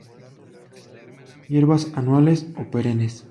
Hierbas anuales o perennes.